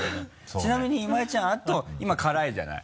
ちなみに今井ちゃんあと今辛いじゃない。